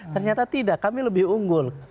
ternyata tidak kami lebih unggul